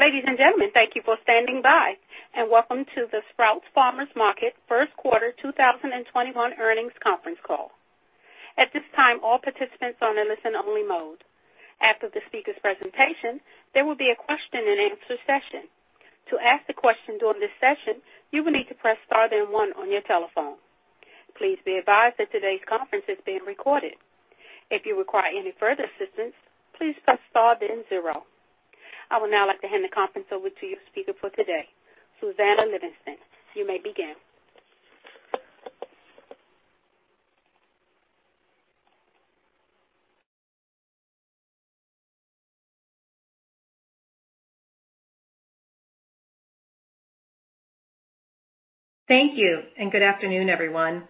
Ladies and gentlemen, thank you for standing by, and welcome to the Sprouts Farmers Market First Quarter 2021 Earnings Conference Call. At this time, all participants are on listen only mode. After the speaker's presentation, there will be a question and answer session. To ask a question during this session, you will need to press star then one on your telephone. Please be advised that today's conference is being recorded. If you require any further assistance, please press star then zero. I would now like to hand the conference over to your speaker for today, Susannah Livingston. You may begin. Thank you, and good afternoon, everyone.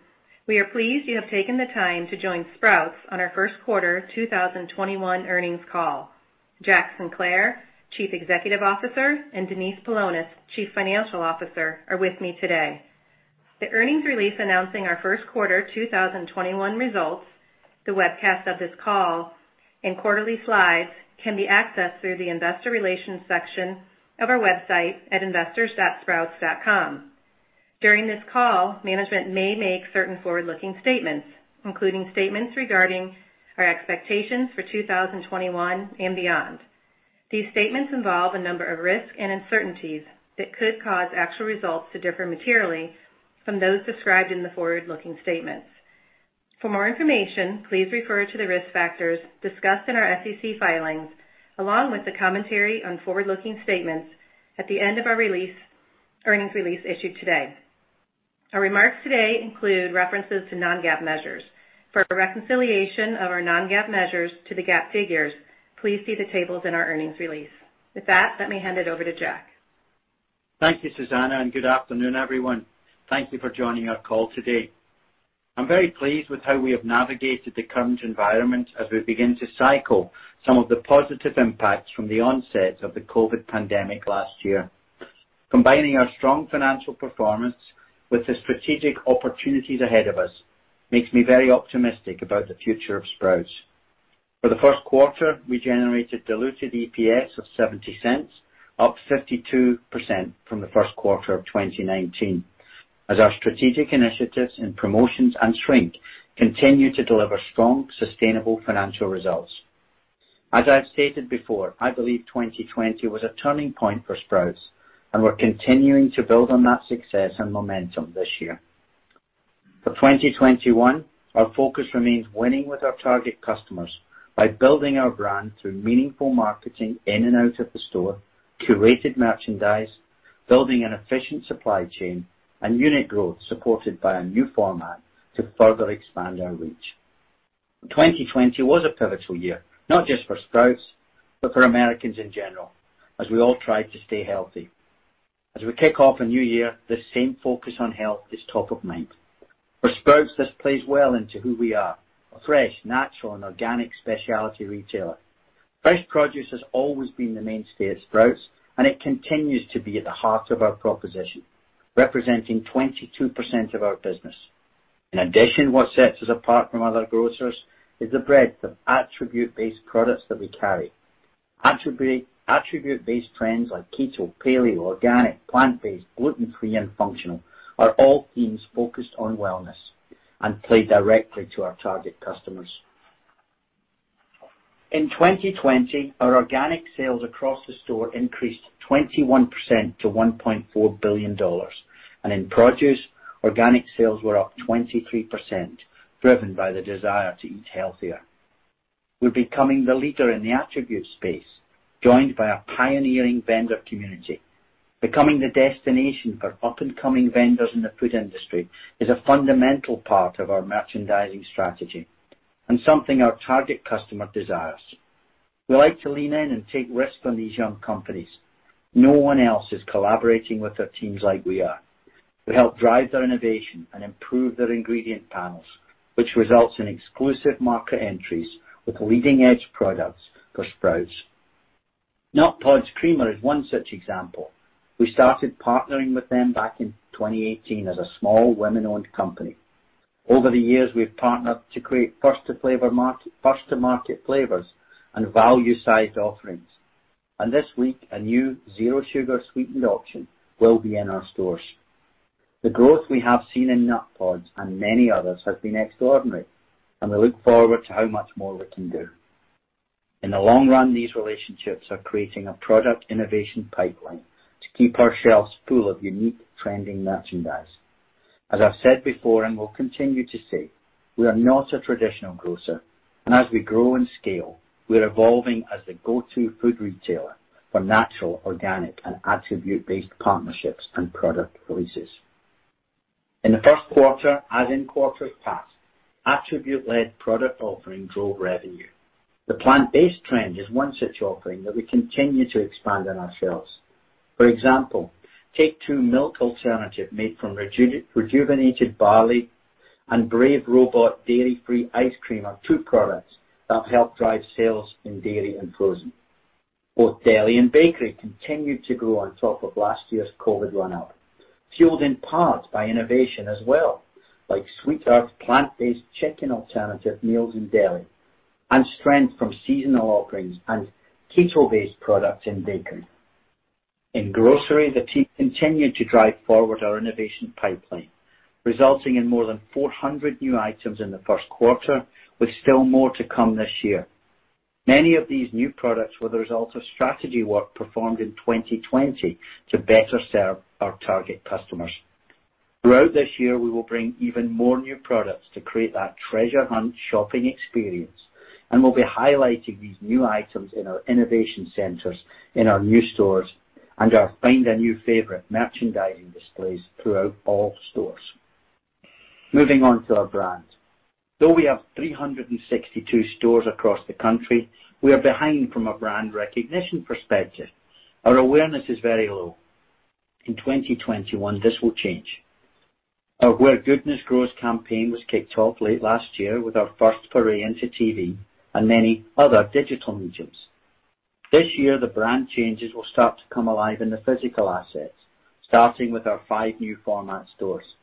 We are pleased you have taken the time to join Sprouts on our first quarter 2021 earnings call. Jack Sinclair, Chief Executive Officer, and Denise Paulonis, Chief Financial Officer, are with me today. The earnings release announcing our first quarter 2021 results, the webcast of this call, and quarterly slides can be accessed through the investor relations section of our website at investors.sprouts.com. During this call, management may make certain forward-looking statements, including statements regarding our expectations for 2021 and beyond. These statements involve a number of risks and uncertainties that could cause actual results to differ materially from those described in the forward-looking statements. For more information, please refer to the risk factors discussed in our SEC filings, along with the commentary on forward-looking statements at the end of our earnings release issued today. Our remarks today include references to non-GAAP measures. For a reconciliation of our non-GAAP measures to the GAAP figures, please see the tables in our earnings release. With that, let me hand it over to Jack. Thank you, Susannah, good afternoon, everyone. Thank you for joining our call today. I'm very pleased with how we have navigated the current environment as we begin to cycle some of the positive impacts from the onset of the COVID pandemic last year. Combining our strong financial performance with the strategic opportunities ahead of us makes me very optimistic about the future of Sprouts. For the first quarter, we generated diluted EPS of $0.70, up 52% from the first quarter of 2019, as our strategic initiatives in promotions and shrink continue to deliver strong, sustainable financial results. As I've stated before, I believe 2020 was a turning point for Sprouts, and we're continuing to build on that success and momentum this year. For 2021, our focus remains winning with our target customers by building our brand through meaningful marketing in and out of the store, curated merchandise, building an efficient supply chain, and unit growth supported by a new format to further expand our reach. 2020 was a pivotal year, not just for Sprouts, but for Americans in general, as we all tried to stay healthy. As we kick off a new year, this same focus on health is top of mind. For Sprouts, this plays well into who we are, a fresh, natural, and organic specialty retailer. Fresh produce has always been the mainstay at Sprouts, and it continues to be at the heart of our proposition, representing 22% of our business. In addition, what sets us apart from other grocers is the breadth of attribute-based products that we carry. Attribute-based trends like keto, paleo, organic, plant-based, gluten-free, and functional are all themes focused on wellness and play directly to our target customers. In 2020, our organic sales across the store increased 21% to $1.4 billion, and in produce, organic sales were up 23%, driven by the desire to eat healthier. We're becoming the leader in the attribute space, joined by our pioneering vendor community. Becoming the destination for up-and-coming vendors in the food industry is a fundamental part of our merchandising strategy and something our target customer desires. We like to lean in and take risks on these young companies. No one else is collaborating with their teams like we are. We help drive their innovation and improve their ingredient panels, which results in exclusive market entries with leading-edge products for Sprouts. Nutpods Creamer is one such example. We started partnering with them back in 2018 as a small women-owned company. Over the years, we've partnered to create first-to-market flavors and value sized offerings. This week, a new zero sugar sweetened option will be in our stores. The growth we have seen in nutpods and many others has been extraordinary, and we look forward to how much more we can do. In the long run, these relationships are creating a product innovation pipeline to keep our shelves full of unique trending merchandise. As I've said before and will continue to say, we are not a traditional grocer, and as we grow in scale, we're evolving as the go-to food retailer for natural, organic, and attribute-based partnerships and product releases. In the first quarter, as in quarters past, attribute-led product offering drove revenue. The plant-based trend is one such offering that we continue to expand on our shelves. For example, Take Two milk alternative made from rejuvenated barley and Brave Robot Dairy-Free ice cream are two products that help drive sales in dairy and frozen. Both deli and bakery continued to grow on top of last year's COVID run up. Fueled in part by innovation as well, like Sweet Earth plant-based chicken alternative meals and deli, and strength from seasonal offerings and keto-based products in bacon. In grocery, the team continued to drive forward our innovation pipeline, resulting in more than 400 new items in the first quarter, with still more to come this year. Many of these new products were the result of strategy work performed in 2020 to better serve our target customers. Throughout this year, we will bring even more new products to create that treasure hunt shopping experience. We'll be highlighting these new items in our innovation centers, in our new stores, and our Find a New Favorite merchandising displays throughout all stores. Moving on to our brand. Though we have 362 stores across the country, we are behind from a brand recognition perspective. Our awareness is very low. In 2021, this will change. Our Where Goodness Grows campaign was kicked off late last year with our first foray into TV and many other digital mediums. This year, the brand changes will start to come alive in the physical assets, starting with our five new format stores.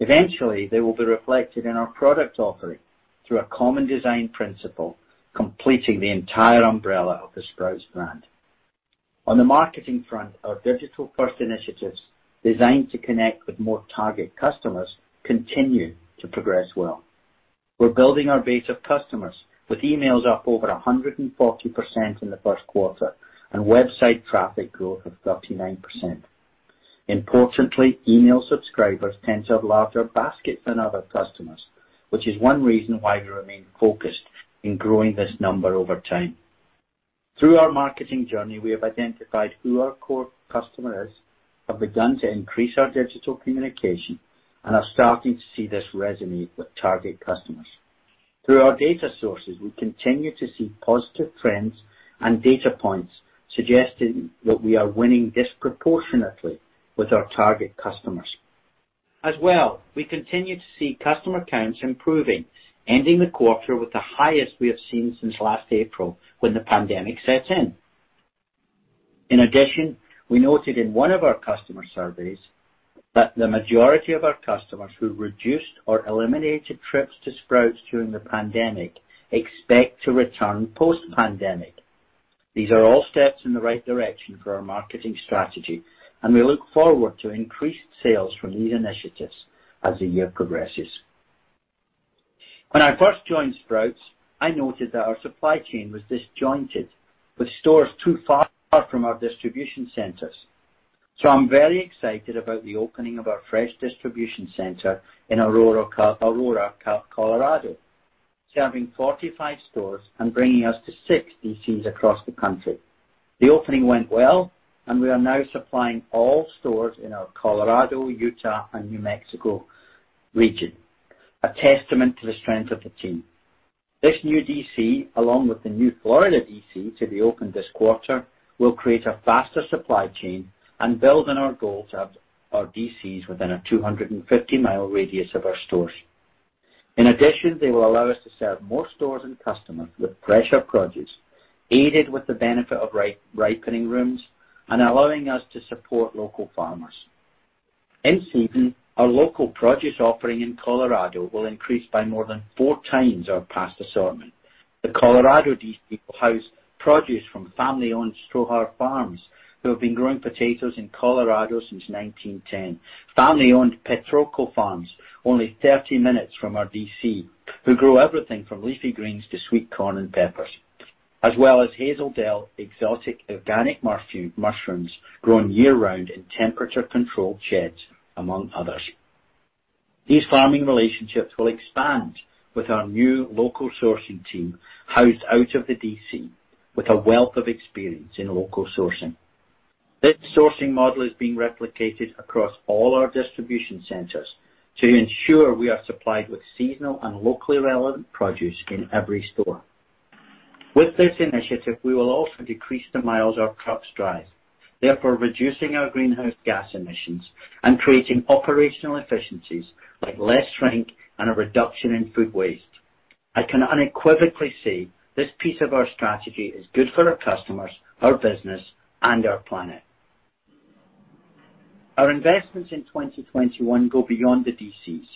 Eventually, they will be reflected in our product offering through a common design principle, completing the entire umbrella of the Sprouts brand. On the marketing front, our digital-first initiatives, designed to connect with more target customers, continue to progress well. We're building our base of customers with emails up over 140% in the first quarter and website traffic growth of 39%. Importantly, email subscribers tend to have larger baskets than other customers, which is one reason why we remain focused in growing this number over time. Through our marketing journey, we have identified who our core customer is, have begun to increase our digital communication, and are starting to see this resonate with target customers. Through our data sources, we continue to see positive trends and data points suggesting that we are winning disproportionately with our target customers. As well, we continue to see customer counts improving, ending the quarter with the highest we have seen since last April, when the pandemic set in. We noted in one of our customer surveys that the majority of our customers who reduced or eliminated trips to Sprouts during the pandemic expect to return post pandemic. These are all steps in the right direction for our marketing strategy, and we look forward to increased sales from these initiatives as the year progresses. When I first joined Sprouts, I noted that our supply chain was disjointed, with stores too far from our distribution centers. I'm very excited about the opening of our fresh distribution center in Aurora, Colorado, serving 45 stores and bringing us to six DCs across the country. The opening went well, and we are now supplying all stores in our Colorado, Utah, and New Mexico region, a testament to the strength of the team. This new DC, along with the new Florida DC to be opened this quarter, will create a faster supply chain and build on our goal to have our DCs within a 250-mile radius of our stores. In addition, they will allow us to serve more stores and customers with fresher produce, aided with the benefit of ripening rooms and allowing us to support local farmers. In season, our local produce offering in Colorado will increase by more than four times our past assortment. The Colorado DC will house produce from family-owned Strohauer Farms, who have been growing potatoes in Colorado since 1910. Family-owned Petrocco Farms, only 30 minutes from our DC, who grow everything from leafy greens to sweet corn and peppers, as well as Hazel Dell Exotic Organic Mushrooms, grown year-round in temperature-controlled sheds, among others. These farming relationships will expand with our new local sourcing team housed out of the DC with a wealth of experience in local sourcing. This sourcing model is being replicated across all our distribution centers to ensure we are supplied with seasonal and locally relevant produce in every store. With this initiative, we will also decrease the miles our trucks drive, therefore reducing our greenhouse gas emissions and creating operational efficiencies like less shrink and a reduction in food waste. I can unequivocally say this piece of our strategy is good for our customers, our business, and our planet. Our investments in 2021 go beyond the DCs.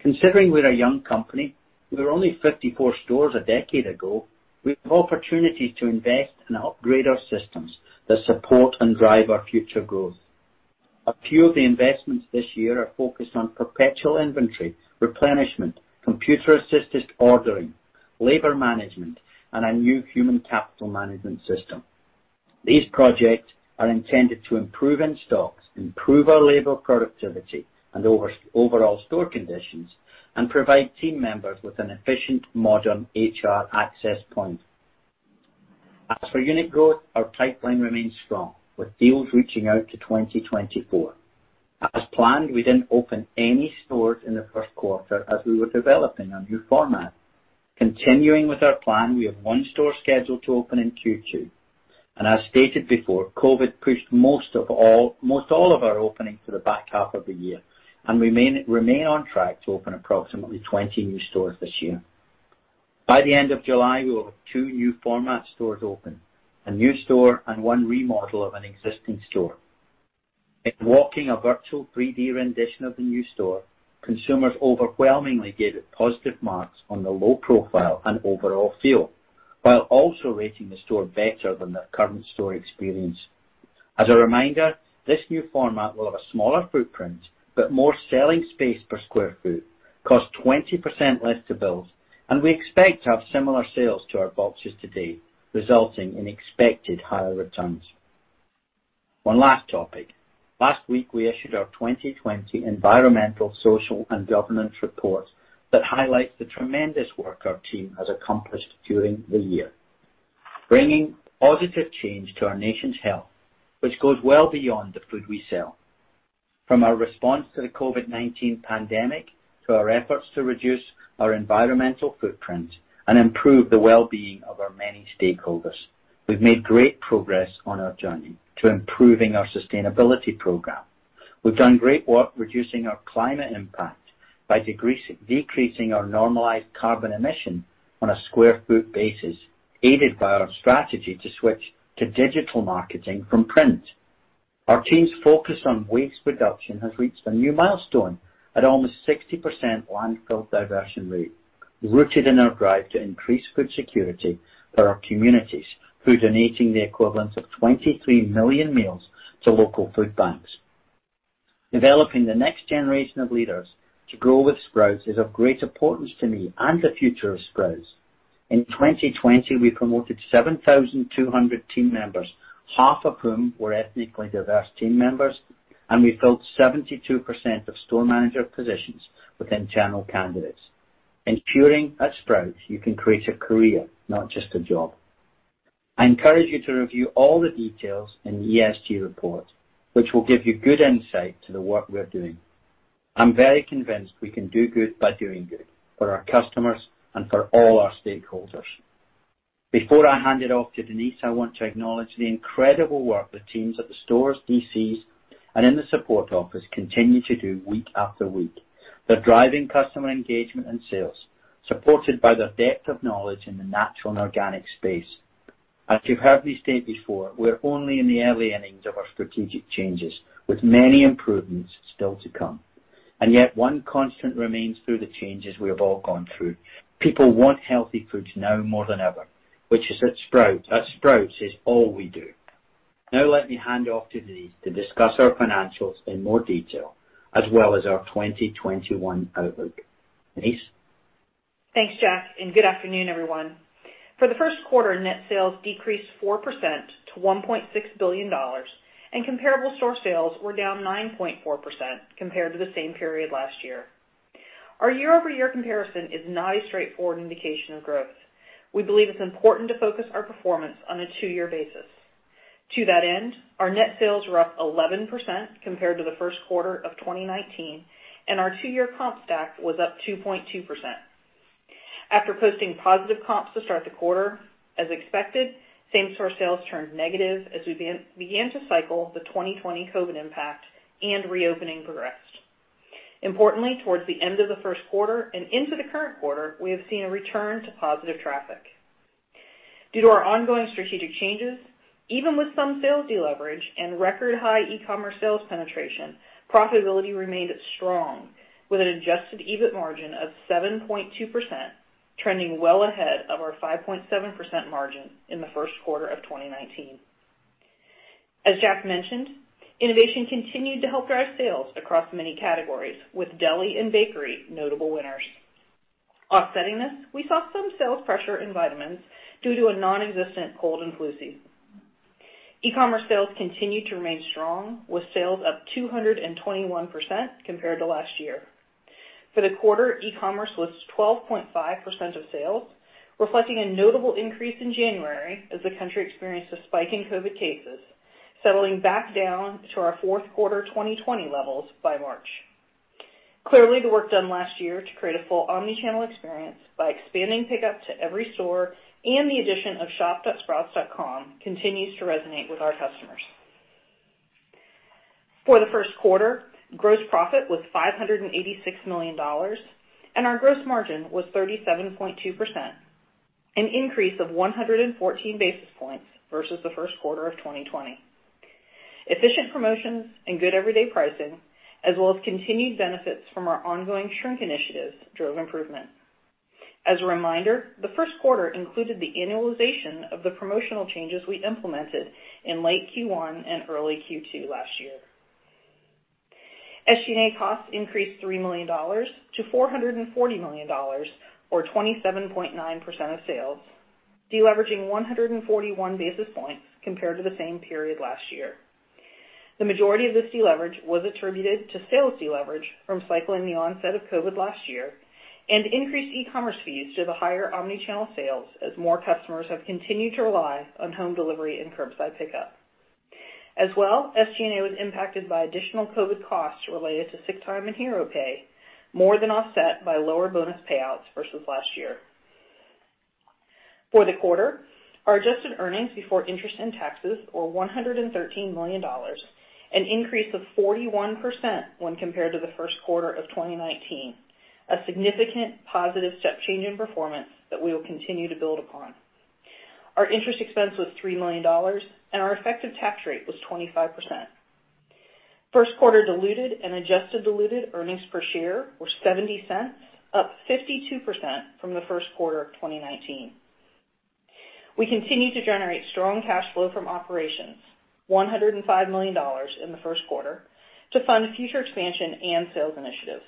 Considering we're a young company, we were only 54 stores a decade ago, we have opportunities to invest and upgrade our systems that support and drive our future growth. A few of the investments this year are focused on perpetual inventory, replenishment, computer-assisted ordering, labor management, and a new human capital management system. These projects are intended to improve in stocks, improve our labor productivity and overall store conditions, and provide team members with an efficient modern HR access point. As for unit growth, our pipeline remains strong with deals reaching out to 2024. As planned, we didn't open any stores in the first quarter as we were developing our new format. Continuing with our plan, we have one store scheduled to open in Q2. As stated before, COVID pushed most all of our openings to the back half of the year, and we remain on track to open approximately 20 new stores this year. By the end of July, we will have two new format stores open, a new store and one remodel of an existing store. In walking a virtual 3D rendition of the new store, consumers overwhelmingly gave it positive marks on the low profile and overall feel, while also rating the store better than their current store experience. As a reminder, this new format will have a smaller footprint, but more selling space per square foot, cost 20% less to build, and we expect to have similar sales to our boxes today, resulting in expected higher returns. One last topic. Last week, we issued our 2020 environmental, social, and governance report that highlights the tremendous work our team has accomplished during the year, bringing positive change to our nation's health, which goes well beyond the food we sell. From our response to the COVID-19 pandemic, to our efforts to reduce our environmental footprint, and improve the well-being of our many stakeholders, we've made great progress on our journey to improving our sustainability program. We've done great work reducing our climate impact by decreasing our normalized carbon emission on a square foot basis, aided by our strategy to switch to digital marketing from print. Our team's focus on waste reduction has reached a new milestone at almost 60% landfill diversion rate, rooted in our drive to increase food security for our communities through donating the equivalent of 23 million meals to local food banks. Developing the next generation of leaders to grow with Sprouts is of great importance to me and the future of Sprouts. In 2020, we promoted 7,200 team members, half of whom were ethnically diverse team members, and we filled 72% of store manager positions with internal candidates, ensuring at Sprouts you can create a career, not just a job. I encourage you to review all the details in the ESG report, which will give you good insight to the work we are doing. I'm very convinced we can do good by doing good for our customers and for all our stakeholders. Before I hand it off to Denise, I want to acknowledge the incredible work the teams at the stores, DCs, and in the support office continue to do week-after-week. They're driving customer engagement and sales, supported by their depth of knowledge in the natural and organic space. As you've heard me state before, we're only in the early innings of our strategic changes, with many improvements still to come. Yet one constant remains through the changes we have all gone through. People want healthy foods now more than ever, which at Sprouts, it's all we do. Now let me hand off to Denise to discuss our financials in more detail, as well as our 2021 outlook. Denise? Thanks, Jack. Good afternoon, everyone. For the first quarter, net sales decreased 4% to $1.6 billion, and comparable store sales were down 9.4% compared to the same period last year. Our year-over-year comparison is not a straightforward indication of growth. We believe it's important to focus our performance on a two-year basis. To that end, our net sales were up 11% compared to the first quarter of 2019, and our two-year comp stack was up 2.2%. After posting positive comps to start the quarter, as expected, same store sales turned negative as we began to cycle the 2020 COVID impact and reopening progressed. Importantly, towards the end of the first quarter and into the current quarter, we have seen a return to positive traffic. Due to our ongoing strategic changes, even with some sales deleverage and record high e-commerce sales penetration, profitability remained strong with an adjusted EBIT margin of 7.2%, trending well ahead of our 5.7% margin in the first quarter of 2019. As Jack mentioned, innovation continued to help drive sales across many categories with deli and bakery notable winners. Offsetting this, we saw some sales pressure in vitamins due to a nonexistent cold and flu season. E-commerce sales continued to remain strong with sales up 221% compared to last year. For the quarter, e-commerce was 12.5% of sales, reflecting a notable increase in January as the country experienced a spike in COVID cases, settling back down to our fourth quarter 2020 levels by March. Clearly, the work done last year to create a full omni-channel experience by expanding pickup to every store and the addition of shop.sprouts.com continues to resonate with our customers. For the first quarter, gross profit was $586 million, and our gross margin was 37.2%, an increase of 114 basis points versus the first quarter of 2020. Efficient promotions and good everyday pricing, as well as continued benefits from our ongoing shrink initiatives drove improvement. As a reminder, the first quarter included the annualization of the promotional changes we implemented in late Q1 and early Q2 last year. SG&A costs increased $3 million to $440 million, or 27.9% of sales, deleveraging 141 basis points compared to the same period last year. The majority of this deleverage was attributed to sales deleverage from cycling the onset of COVID last year and increased e-commerce fees due to higher omni-channel sales as more customers have continued to rely on home delivery and curbside pickup. As well, SG&A was impacted by additional COVID costs related to sick time and hero pay, more than offset by lower bonus payouts versus last year. For the quarter, our adjusted earnings before interest and taxes were $113 million, an increase of 41% when compared to the first quarter of 2019, a significant positive step change in performance that we will continue to build upon. Our interest expense was $3 million, and our effective tax rate was 25%. First quarter diluted and adjusted diluted earnings per share were $0.70, up 52% from the first quarter of 2019. We continue to generate strong cash flow from operations, $105 million in the first quarter, to fund future expansion and sales initiatives.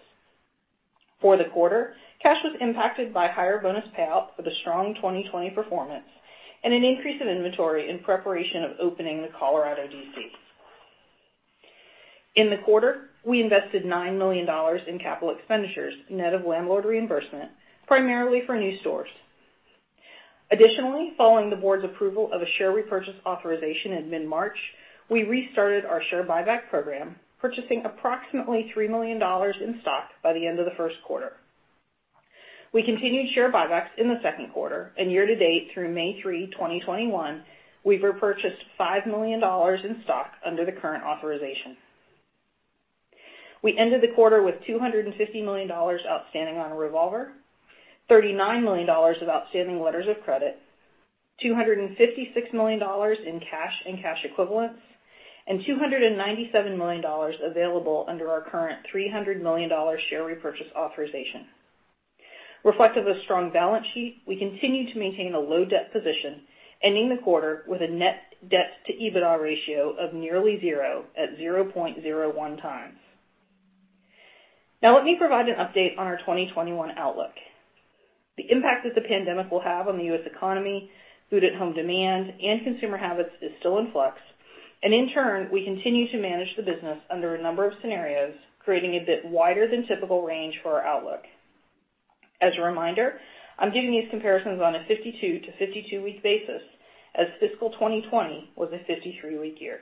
For the quarter, cash was impacted by higher bonus payout for the strong 2020 performance and an increase in inventory in preparation of opening the Colorado DC. In the quarter, we invested $9 million in capital expenditures, net of landlord reimbursement, primarily for new stores. Additionally, following the board's approval of a share repurchase authorization in mid-March, we restarted our share buyback program, purchasing approximately $3 million in stock by the end of the first quarter. We continued share buybacks in the second quarter, and year to date through May 3, 2021, we've repurchased $5 million in stock under the current authorization. We ended the quarter with $250 million outstanding on a revolver, $39 million of outstanding letters of credit, $256 million in cash and cash equivalents, and $297 million available under our current $300 million share repurchase authorization. Reflective of strong balance sheet, we continue to maintain a low debt position, ending the quarter with a net debt to EBITDA ratio of nearly zero at 0.01 times. Let me provide an update on our 2021 outlook. The impact that the pandemic will have on the U.S. economy, food at home demand, and consumer habits is still in flux, and in turn, we continue to manage the business under a number of scenarios, creating a bit wider than typical range for our outlook. As a reminder, I'm giving these comparisons on a 52 to 52-week basis as fiscal 2020 was a 53-week year.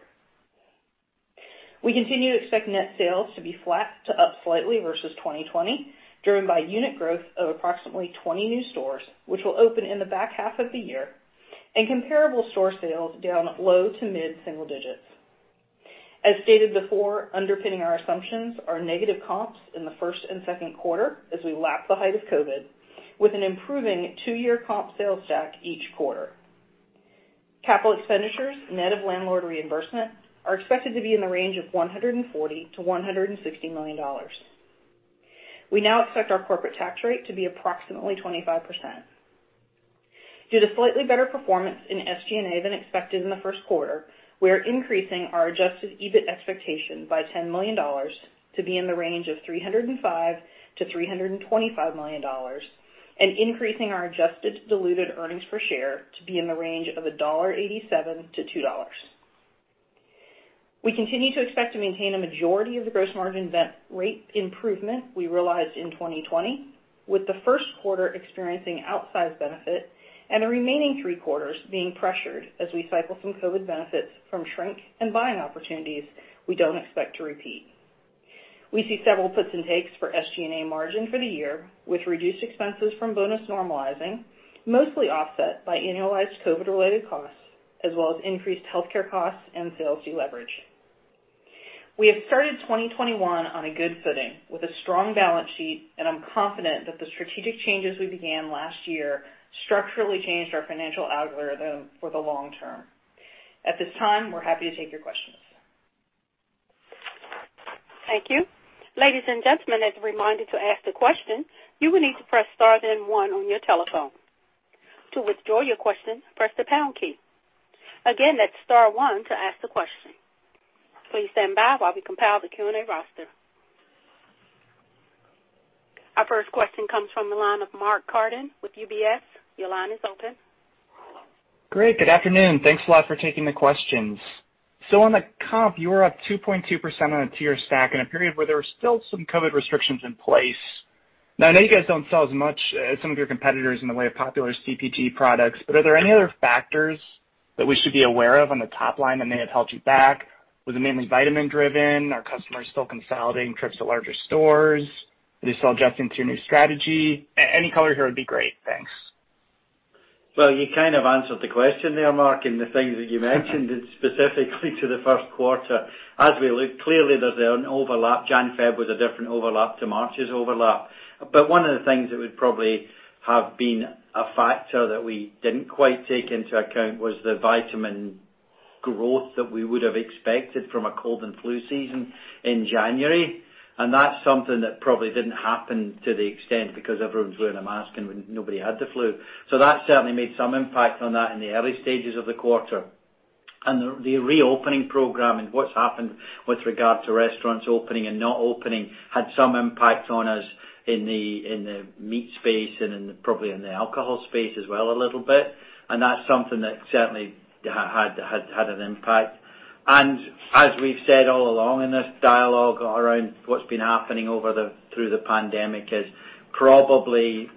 We continue to expect net sales to be flat to up slightly versus 2020, driven by unit growth of approximately 20 new stores, which will open in the back half of the year, and comparable store sales down low to mid single digits. As stated before, underpinning our assumptions are negative comps in the first and second quarter as we lap the height of COVID, with an improving two-year comp sales stack each quarter. Capital expenditures, net of landlord reimbursement, are expected to be in the range of $140 million to $160 million. We now expect our corporate tax rate to be approximately 25%. Due to slightly better performance in SG&A than expected in the first quarter, we are increasing our adjusted EBIT expectation by $10 million to be in the range of $305 million-$325 million and increasing our adjusted diluted earnings per share to be in the range of $1.87-$2. We continue to expect to maintain a majority of the gross margin rate improvement we realized in 2020, with the first quarter experiencing outsized benefit and the remaining three quarters being pressured as we cycle some COVID benefits from shrink and buying opportunities we don't expect to repeat. We see several puts and takes for SG&A margin for the year, with reduced expenses from bonus normalizing, mostly offset by annualized COVID related costs, as well as increased healthcare costs and sales deleverage. We have started 2021 on a good footing with a strong balance sheet, and I'm confident that the strategic changes we began last year structurally changed our financial algorithm for the long term. At this time, we're happy to take your questions. Thank you. Ladies and gentlemen, as a reminder, to ask the question, you will need to press star then one on your telephone. To withdraw your question, press the star key. Again, that's star one to ask the question. Please stand by while we compile the Q&A roster. Our first question comes from the line of Mark Carden with UBS. Your line is open. Great, good afternoon. Thanks a lot for taking the questions. On the comp, you were up 2.2% on a two-year stack in a period where there were still some COVID restrictions in place. I know you guys don't sell as much as some of your competitors in the way of popular CPG products, but are there any other factors that we should be aware of on the top line that may have held you back? Was it mainly vitamin driven? Are customers still consolidating trips to larger stores? Are they still adjusting to your new strategy? Any color here would be great. Thanks. Well, you kind of answered the question there, Mark, in the things that you mentioned specifically to the first quarter. As we look, clearly there's an overlap. Jan, Feb was a different overlap to March's overlap. One of the things that would probably have been a factor that we didn't quite take into account was the vitamin growth that we would have expected from a cold and flu season in January. That's something that probably didn't happen to the extent because everyone's wearing a mask and nobody had the flu. That certainly made some impact on that in the early stages of the quarter. The reopening program and what's happened with regard to restaurants opening and not opening had some impact on us in the meat space and probably in the alcohol space as well a little bit. That's something that certainly had an impact. As we've said all along in this dialogue around what's been happening through the pandemic is probably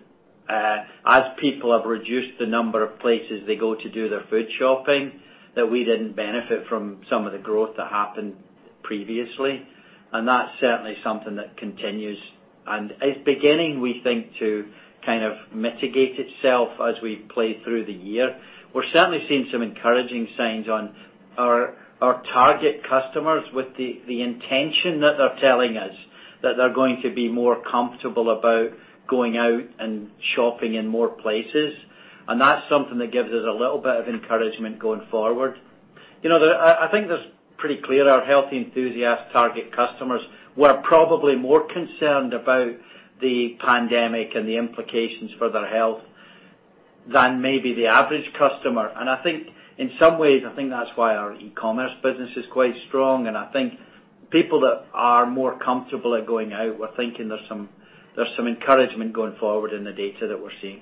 as people have reduced the number of places they go to do their food shopping, that we didn't benefit from some of the growth that happened. Previously, that's certainly something that continues and is beginning, we think, to kind of mitigate itself as we play through the year. We're certainly seeing some encouraging signs on our target customers with the intention that they're telling us that they're going to be more comfortable about going out and shopping in more places. That's something that gives us a little bit of encouragement going forward. I think that's pretty clear. Our healthy enthusiast target customers were probably more concerned about the pandemic and the implications for their health than maybe the average customer. I think in some ways, I think that's why our e-commerce business is quite strong. I think people that are more comfortable at going out, we're thinking there's some encouragement going forward in the data that we're seeing.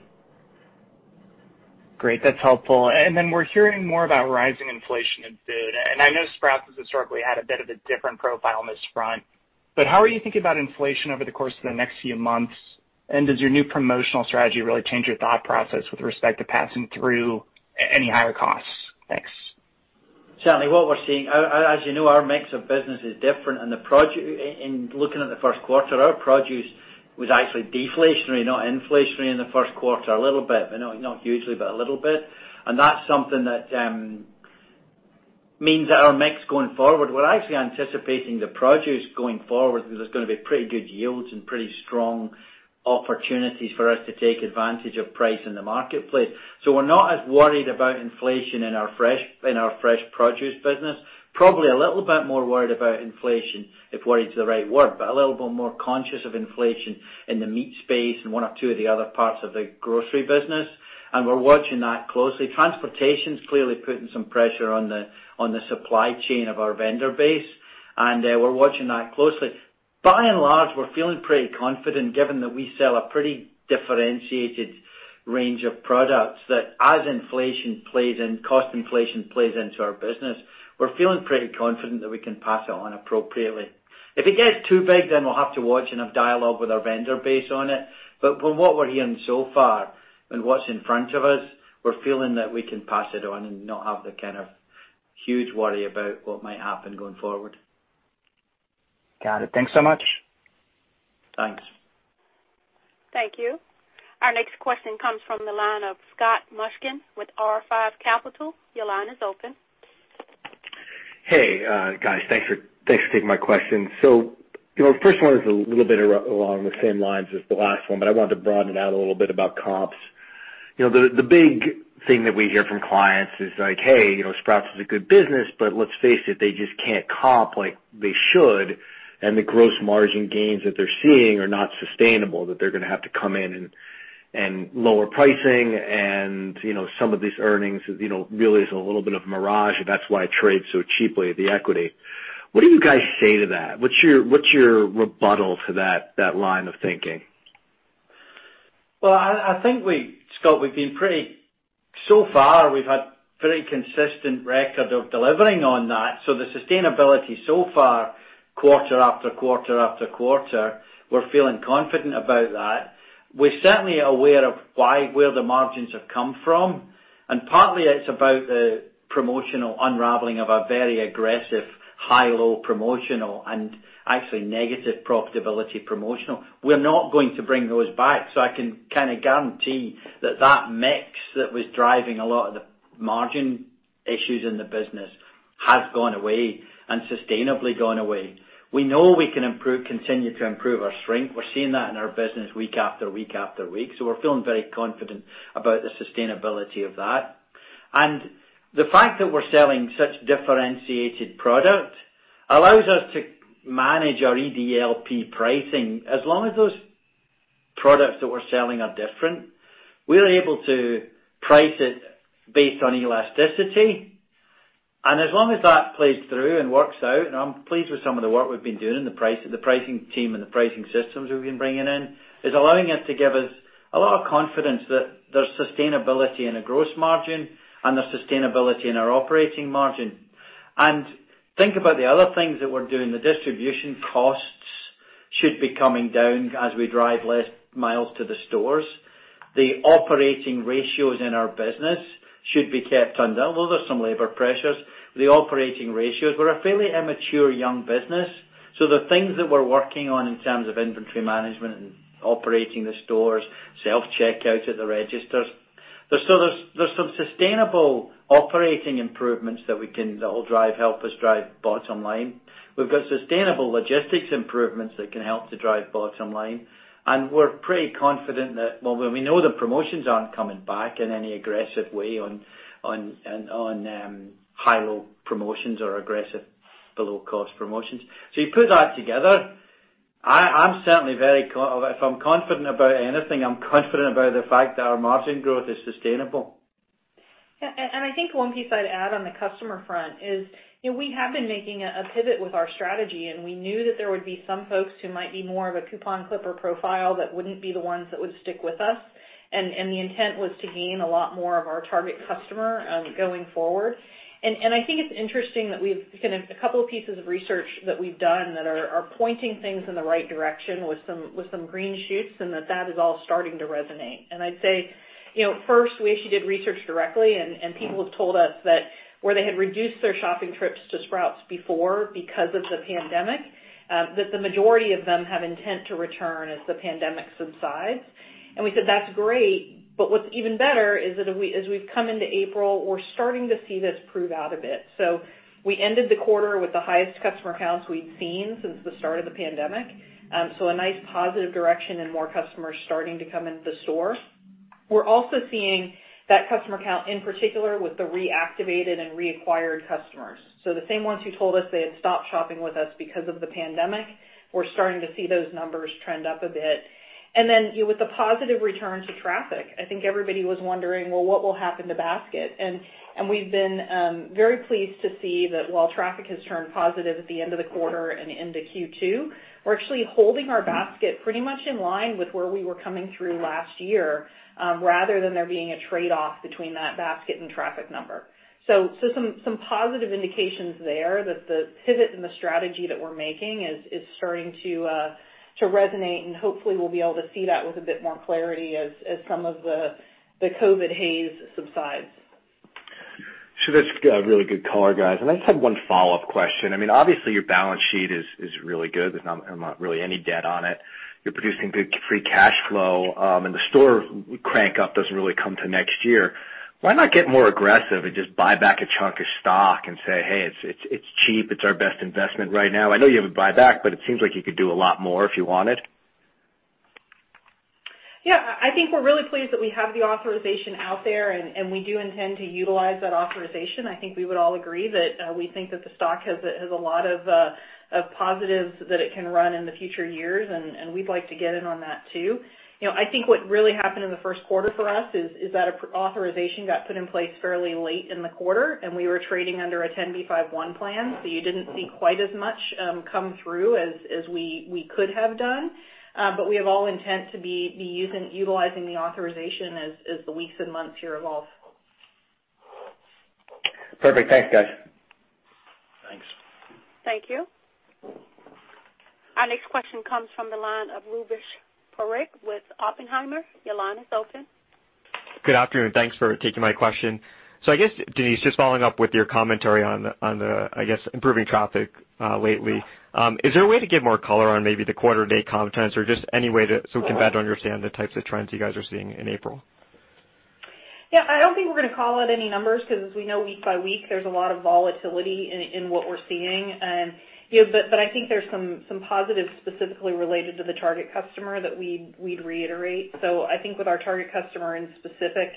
Great. That's helpful. Then we're hearing more about rising inflation in food. I know Sprouts has historically had a bit of a different profile on this front. How are you thinking about inflation over the course of the next few months? Does your new promotional strategy really change your thought process with respect to passing through any higher costs? Thanks. Certainly what we're seeing, as you know, our mix of business is different, and looking at the first quarter, our produce was actually deflationary, not inflationary in the first quarter, a little bit, but not hugely, but a little bit. That's something that means that our mix going forward, we're actually anticipating the produce going forward, because there's going to be pretty good yields and pretty strong opportunities for us to take advantage of price in the marketplace. We're not as worried about inflation in our fresh produce business. Probably a little bit more worried about inflation, if worried is the right word, but a little more conscious of inflation in the meat space and one or two of the other parts of the grocery business, and we're watching that closely. Transportation's clearly putting some pressure on the supply chain of our vendor base, and we're watching that closely. By large, we're feeling pretty confident given that we sell a pretty differentiated range of products that as inflation plays in, cost inflation plays into our business, we're feeling pretty confident that we can pass it on appropriately. If it gets too big, we'll have to watch and have dialogue with our vendor base on it. From what we're hearing so far and what's in front of us, we're feeling that we can pass it on and not have the kind of huge worry about what might happen going forward. Got it. Thanks so much. Thanks. Thank you. Our next question comes from the line of Scott Mushkin with R5 Capital. Your line is open. Hey, guys. Thanks for taking my question. First one is a little bit along the same lines as the last one, but I wanted to broaden it out a little bit about comps. The big thing that we hear from clients is, "Hey, Sprouts is a good business, but let's face it, they just can't comp like they should, and the gross margin gains that they're seeing are not sustainable, that they're going to have to come in and lower pricing and some of these earnings really is a little bit of a mirage, and that's why it trades so cheaply, the equity." What do you guys say to that? What's your rebuttal to that line of thinking? Well, I think, Scott, so far we've had pretty consistent record of delivering on that. The sustainability so far, quarter- after-quarter after quarter, we're feeling confident about that. We're certainly aware of where the margins have come from, and partly it's about the promotional unraveling of a very aggressive, high-low promotional, and actually negative profitability promotional. We're not going to bring those back. I can kind of guarantee that mix that was driving a lot of the margin issues in the business has gone away, and sustainably gone away. We know we can continue to improve our shrink. We're seeing that in our business week after week-after-week. We're feeling very confident about the sustainability of that. The fact that we're selling such differentiated product allows us to manage our EDLP pricing. As long as those products that we're selling are different, we are able to price it based on elasticity. As long as that plays through and works out, I'm pleased with some of the work we've been doing, the pricing team and the pricing systems we've been bringing in, is allowing it to give us a lot of confidence that there's sustainability in the gross margin and there's sustainability in our operating margin. Think about the other things that we're doing. The distribution costs should be coming down as we drive less miles to the stores. The operating ratios in our business should be kept under. Although there's some labor pressures, the operating ratios, we're a fairly immature young business, so the things that we're working on in terms of inventory management and operating the stores, self-checkouts at the registers. There's some sustainable operating improvements that will help us drive bottom line. We've got sustainable logistics improvements that can help to drive bottom line, and we're pretty confident that, well, we know the promotions aren't coming back in any aggressive way on high-low promotions or aggressive below-cost promotions. You put that together, if I'm confident about anything, I'm confident about the fact that our margin growth is sustainable. Yeah, and I think one piece I'd add on the customer front is, we have been making a pivot with our strategy, and we knew that there would be some folks who might be more of a coupon clipper profile that wouldn't be the ones that would stick with us. The intent was to gain a lot more of our target customer going forward. I think it's interesting that we've seen a couple pieces of research that we've done that are pointing things in the right direction with some green shoots, and that is all starting to resonate. I'd say, first, we actually did research directly, and people have told us that where they had reduced their shopping trips to Sprouts before because of the pandemic, that the majority of them have intent to return as the pandemic subsides. We said, "That's great," but what's even better is that as we've come into April, we're starting to see this prove out a bit. We ended the quarter with the highest customer counts we'd seen since the start of the pandemic. A nice positive direction and more customers starting to come into the store. We're also seeing that customer count, in particular, with the reactivated and reacquired customers. The same ones who told us they had stopped shopping with us because of the pandemic, we're starting to see those numbers trend up a bit. With the positive return to traffic, I think everybody was wondering, "Well, what will happen to basket?" We've been very pleased to see that while traffic has turned positive at the end of the quarter and into Q2, we're actually holding our basket pretty much in line with where we were coming through last year, rather than there being a trade-off between that basket and traffic number. Some positive indications there that the pivot and the strategy that we're making is starting to resonate, and hopefully we'll be able to see that with a bit more clarity as some of the COVID haze subsides. That's a really good color, guys. I just have one follow-up question. Obviously, your balance sheet is really good. There's not really any debt on it. You're producing good free cash flow, and the store crank up doesn't really come till next year. Why not get more aggressive and just buy back a chunk of stock and say, "Hey, it's cheap. It's our best investment right now." I know you have a buyback, but it seems like you could do a lot more if you wanted. Yeah, I think we're really pleased that we have the authorization out there, and we do intend to utilize that authorization. I think we would all agree that we think that the stock has a lot of positives that it can run in the future years, and we'd like to get in on that too. I think what really happened in the first quarter for us is that an authorization got put in place fairly late in the quarter, and we were trading under a 10b5-1 plan. You didn't see quite as much come through as we could have done. We have all intent to be utilizing the authorization as the weeks and months here evolve. Perfect. Thanks, guys. Thanks. Thank you. Our next question comes from the line of Rupesh Parikh with Oppenheimer. Your line is open. Good afternoon. Thanks for taking my question. I guess, Denise, just following up with your commentary on the, I guess, improving traffic lately. Is there a way to give more color on maybe the quarter date comp trends or just any way so we can better understand the types of trends you guys are seeing in April? I don't think we're going to call out any numbers because we know week by week, there's a lot of volatility in what we're seeing. I think there's some positives specifically related to the target customer that we'd reiterate. I think with our target customer in specific,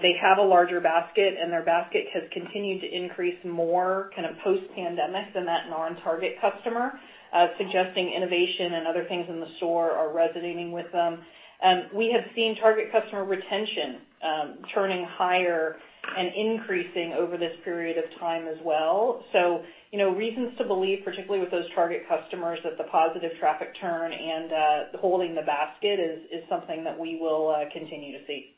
they have a larger basket, and their basket has continued to increase more kind of post pandemic than that non-target customer, suggesting innovation and other things in the store are resonating with them. We have seen target customer retention turning higher and increasing over this period of time as well. Reasons to believe, particularly with those target customers, that the positive traffic turn and holding the basket is something that we will continue to see.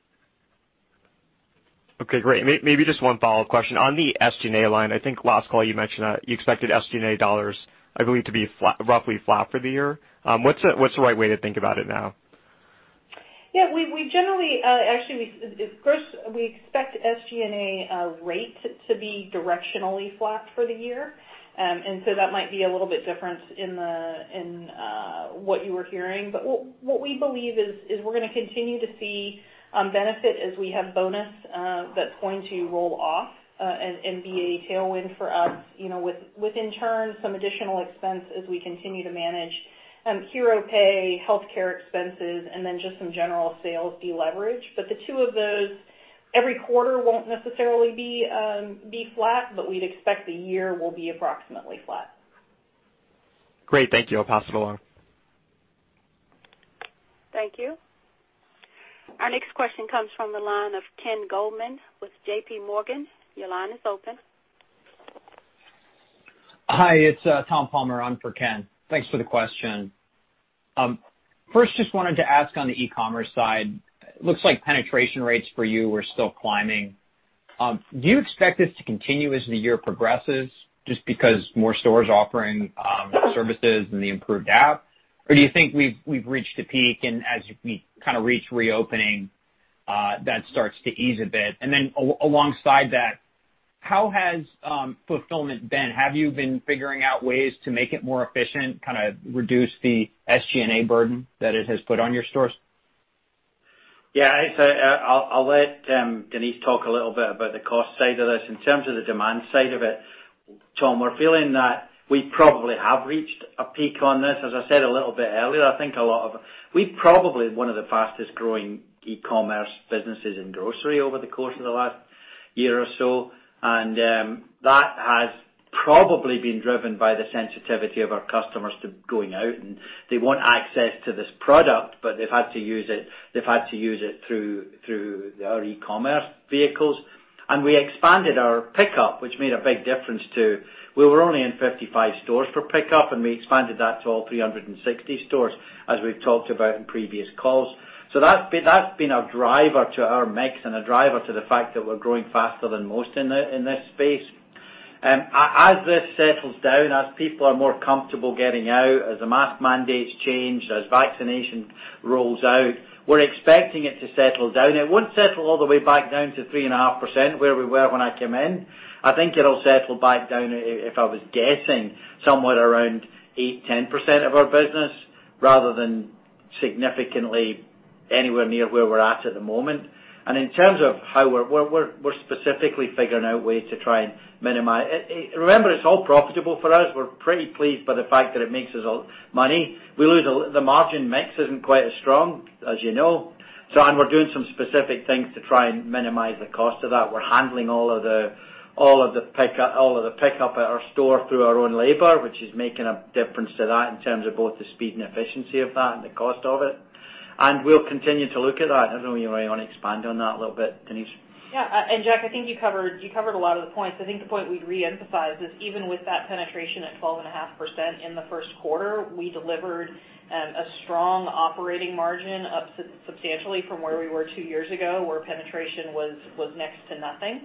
Okay, great. Maybe just one follow-up question. On the SG&A line, I think last call you mentioned you expected SG&A dollars, I believe, to be roughly flat for the year. What's the right way to think about it now? Yeah. Actually, first, we expect SG&A rate to be directionally flat for the year. That might be a little bit different in what you were hearing. What we believe is we're going to continue to see benefit as we have bonus that's going to roll off and be a tailwind for us, with in turn some additional expense as we continue to manage hero pay, healthcare expenses, and then just some general sales deleverage. The two of those every quarter won't necessarily be flat, but we'd expect the year will be approximately flat. Great. Thank you. I'll pass it along. Thank you. Our next question comes from the line of Ken Goldman with JPMorgan. Your line is open. Hi, it's Tom Palmer on for Ken. Thanks for the question. Just wanted to ask on the e-commerce side, looks like penetration rates for you are still climbing. Do you expect this to continue as the year progresses, just because more stores offering services and the improved app? Do you think we've reached a peak and as we kind of reach reopening, that starts to ease a bit? Alongside that, how has fulfillment been? Have you been figuring out ways to make it more efficient, kind of reduce the SG&A burden that it has put on your stores? Yeah, I'll let Denise talk a little bit about the cost side of this. In terms of the demand side of it, Tom, we're feeling that we probably have reached a peak on this. As I said a little bit earlier, I think we're probably one of the fastest growing e-commerce businesses in grocery over the course of the last year or so. Probably been driven by the sensitivity of our customers to going out, and they want access to this product, but they've had to use it through our e-commerce vehicles. We expanded our pickup, which made a big difference too. We were only in 55 stores for pickup, and we expanded that to all 360 stores, as we've talked about in previous calls. That's been a driver to our mix and a driver to the fact that we're growing faster than most in this space. As this settles down, as people are more comfortable getting out, as the mask mandates change, as vaccination rolls out, we're expecting it to settle down. It won't settle all the way back down to 3.5% where we were when I came in. I think it'll settle back down, if I was guessing, somewhere around 8%, 10% of our business rather than significantly anywhere near where we're at at the moment. In terms of how we're specifically figuring out ways to try. Remember, it's all profitable for us. We're pretty pleased by the fact that it makes us money. The margin mix isn't quite as strong, as you know. We're doing some specific things to try and minimize the cost of that. We're handling all of the pickup at our store through our own labor, which is making a difference to that in terms of both the speed and efficiency of that and the cost of it. We'll continue to look at that. I don't know you, if you want to expand on that a little bit, Denise? Yeah. Jack, I think you covered a lot of the points. I think the point we'd reemphasize is even with that penetration at 12.5% in the first quarter, we delivered a strong operating margin up substantially from where we were two years ago, where penetration was next to nothing.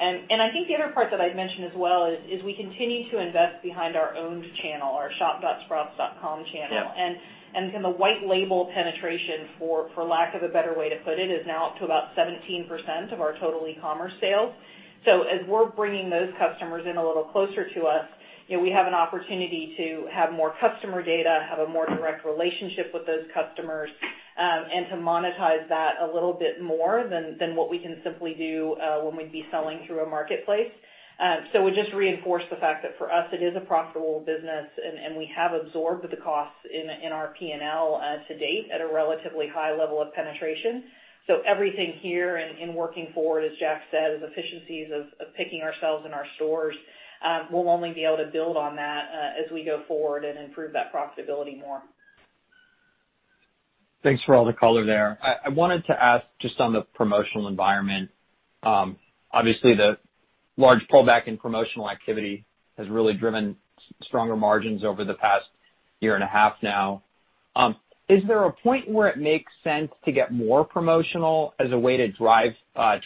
I think the other part that I'd mention as well is we continue to invest behind our owned channel, our shop.sprouts.com channel. Yeah. The white label penetration, for lack of a better way to put it, is now up to about 17% of our total e-commerce sales. As we're bringing those customers in a little closer to us, we have an opportunity to have more customer data, have a more direct relationship with those customers, and to monetize that a little bit more than what we can simply do when we'd be selling through a marketplace. We just reinforce the fact that for us, it is a profitable business, and we have absorbed the costs in our P&L to date at a relatively high level of penetration. Everything here and in working forward, as Jack said, is efficiencies of picking ourselves in our stores. We'll only be able to build on that as we go forward and improve that profitability more. Thanks for all the color there. I wanted to ask just on the promotional environment. Obviously, the large pullback in promotional activity has really driven stronger margins over the past year and a half now. Is there a point where it makes sense to get more promotional as a way to drive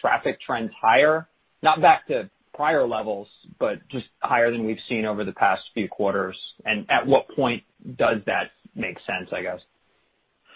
traffic trends higher? Not back to prior levels, but just higher than we've seen over the past few quarters. At what point does that make sense, I guess?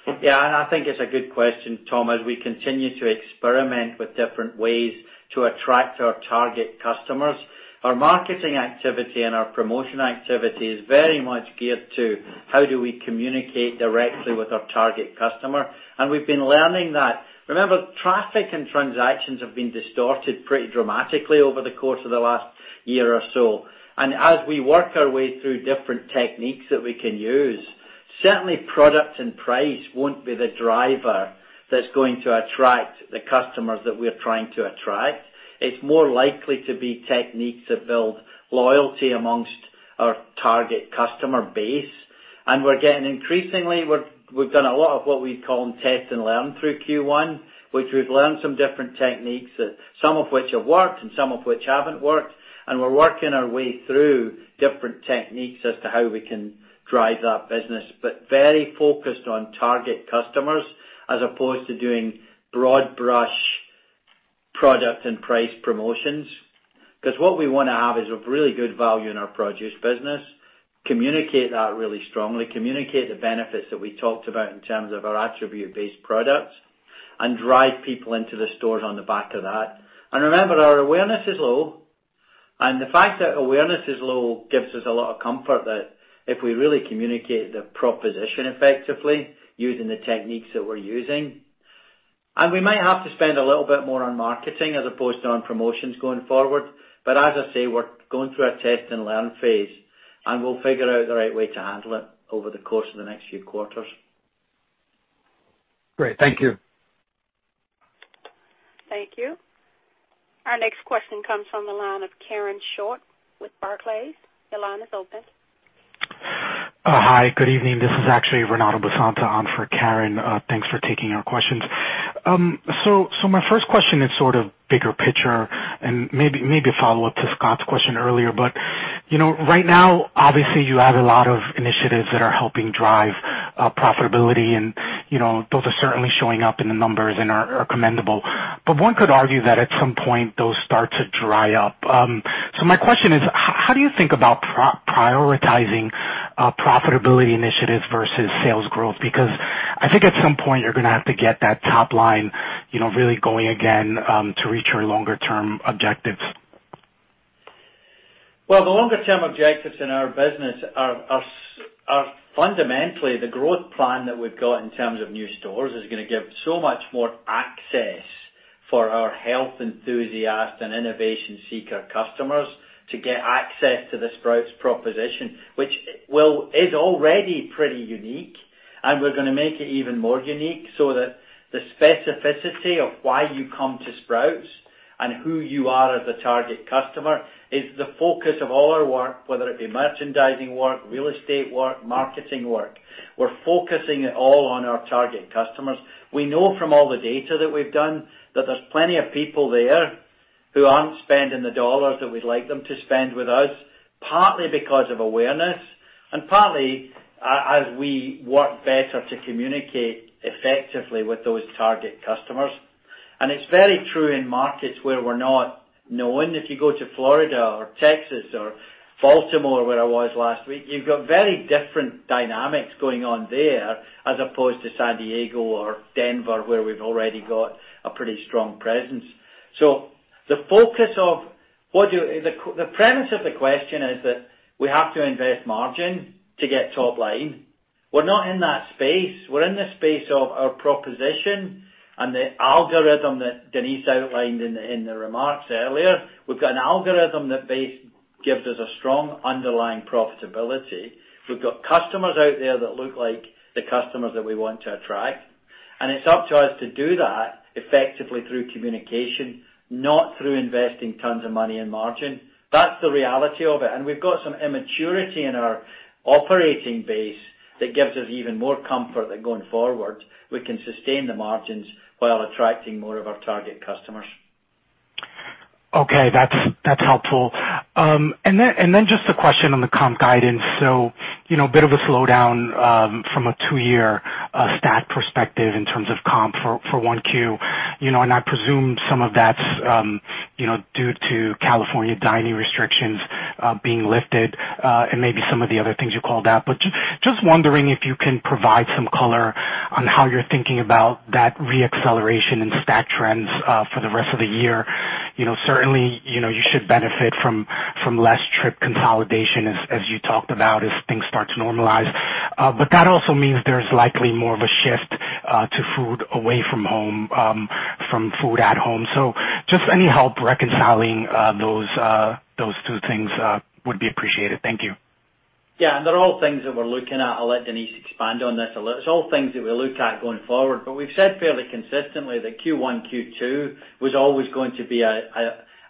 I think it's a good question, Tom. As we continue to experiment with different ways to attract our target customers, our marketing activity and our promotion activity is very much geared to how do we communicate directly with our target customer. We've been learning that. Remember, traffic and transactions have been distorted pretty dramatically over the course of the last year or so. As we work our way through different techniques that we can use, certainly product and price won't be the driver that's going to attract the customers that we're trying to attract. It's more likely to be techniques that build loyalty amongst our target customer base. We're getting increasingly, we've done a lot of what we call test and learn through Q1, which we've learned some different techniques, some of which have worked and some of which haven't worked, and we're working our way through different techniques as to how we can drive that business. But very focused on target customers as opposed to doing broad brush product and price promotions. Because what we want to have is a really good value in our produce business, communicate that really strongly, communicate the benefits that we talked about in terms of our attribute-based products, and drive people into the stores on the back of that. Remember, our awareness is low, and the fact that awareness is low gives us a lot of comfort that if we really communicate the proposition effectively using the techniques that we're using, and we might have to spend a little bit more on marketing as opposed to on promotions going forward. As I say, we're going through a test and learn phase, and we'll figure out the right way to handle it over the course of the next few quarters. Great. Thank you. Thank you. Our next question comes from the line of Karen Short with Barclays. Your line is open. Hi. Good evening. This is actually Renato Basanta on for Karen. Thanks for taking our questions. My first question is sort of bigger picture and maybe a follow-up to Scott question earlier. Right now, obviously you have a lot of initiatives that are helping drive profitability and those are certainly showing up in the numbers and are commendable. One could argue that at some point, those start to dry up. My question is, how do you think about prioritizing profitability initiatives versus sales growth? I think at some point, you're going to have to get that top line really going again, to reach your longer term objectives. Well, the longer term objectives in our business are fundamentally the growth plan that we've got in terms of new stores is going to give so much more access for our Health Enthusiast and Innovation Seeker customers to get access to the Sprouts proposition, which is already pretty unique. We're going to make it even more unique so that the specificity of why you come to Sprouts and who you are as a target customer is the focus of all our work, whether it be merchandising work, real estate work, marketing work. We're focusing it all on our target customers. We know from all the data that we've done that there's plenty of people there who aren't spending the dollars that we'd like them to spend with us, partly because of awareness and partly as we work better to communicate effectively with those target customers. It's very true in markets where we're not known. If you go to Florida or Texas or Baltimore, where I was last week, you've got very different dynamics going on there as opposed to San Diego or Denver, where we've already got a pretty strong presence. The premise of the question is that we have to invest margin to get top line. We're not in that space. We're in the space of our proposition and the algorithm that Denise outlined in the remarks earlier. We've got an algorithm that base gives us a strong underlying profitability. We've got customers out there that look like the customers that we want to attract, and it's up to us to do that effectively through communication, not through investing tons of money in margin. That's the reality of it. We've got some immaturity in our operating base that gives us even more comfort that going forward, we can sustain the margins while attracting more of our target customers. Okay, that's helpful. Then just a question on the comp guidance. A bit of a slowdown from a two-year stack perspective in terms of comp for 1Q. I presume some of that's due to California dining restrictions being lifted and maybe some of the other things you called out. Just wondering if you can provide some color on how you're thinking about that re-acceleration in stack trends for the rest of the year. Certainly, you should benefit from less trip consolidation as you talked about as things start to normalize. That also means there's likely more of a shift to food away from home from food at home. Just any help reconciling those two things would be appreciated. Thank you. Yeah. They're all things that we're looking at. I'll let Denise expand on this a little. It's all things that we'll look at going forward. We've said fairly consistently that Q1, Q2 was always going to be